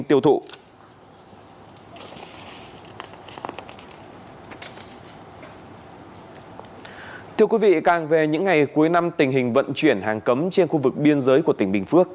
thưa quý vị càng về những ngày cuối năm tình hình vận chuyển hàng cấm trên khu vực biên giới của tỉnh bình phước